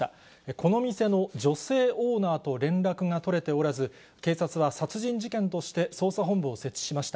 この店の女性オーナーと連絡が取れておらず、警察は殺人事件として捜査本部を設置しました。